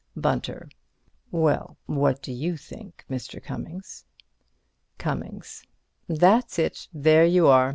Bunter: Well, what do you think, Mr. Cummings? Cummings: That's it; there you are!